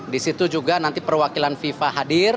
di situ juga nanti perwakilan fifa hadir